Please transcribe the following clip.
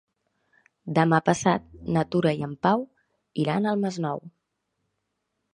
Demà passat na Tura i en Pau iran al Masnou.